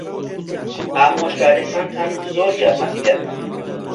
ئامۆژگارییەکانتان زۆر یارمەتیدەر بوون.